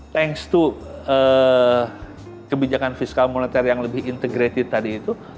tanks to kebijakan fiskal moneter yang lebih integrated tadi itu